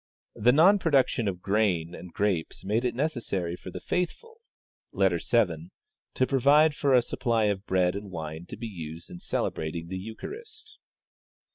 The non production of grain and grapes made it necessary for the faithful (letter 7) to provide for a supply of bread and wine to be used in celebrating the eucharist.